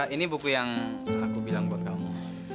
ini buku yang aku bilang buat kamu